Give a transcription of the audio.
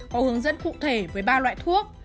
họ hướng dẫn cụ thể với ba loại thuốc